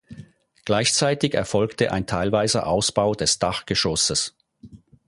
Gleichzeitig erfolgte ein teilweiser Ausbau des Dachgeschosses.